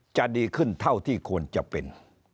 จะดีขึ้นเท่าที่ควรจะเป็น